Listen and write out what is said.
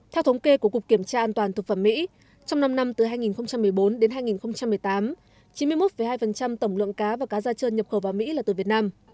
theo thống kê của cục kiểm tra an toàn thực phẩm mỹ trong năm năm từ hai nghìn một mươi bốn đến hai nghìn một mươi tám chín mươi một hai tổng lượng cá và cá da trơn nhập khẩu vào mỹ là từ việt nam